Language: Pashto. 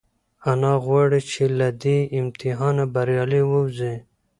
انا غواړي چې له دې امتحانه بریالۍ ووځي.